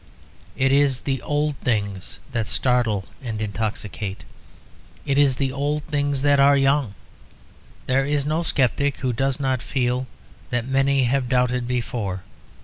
It is the old things that startle and intoxicate. It is the old things that are young. There is no sceptic who does not feel that many have doubted before.